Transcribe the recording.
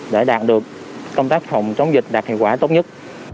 để đạt được công tác phòng chống dịch đạt hiệu quả tốt nhất